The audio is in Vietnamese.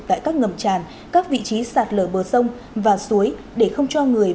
tại các ngầm tràn các vị trí sạt lở bờ sông và suối để không cho người